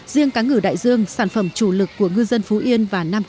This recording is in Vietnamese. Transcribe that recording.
riêng cá ngừ đại dương sản phẩm chủ lực của ngư dân phú yên